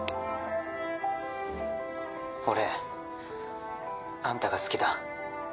「俺あんたが好きだ」。